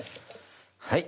はい。